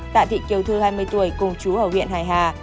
tạ thị kiều thư hai mươi tuổi cùng chú ở huyện hải hà